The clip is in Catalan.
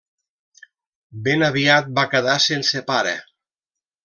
Ben aviat va quedar sense pare.